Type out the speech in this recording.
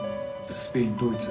スペインドイツ。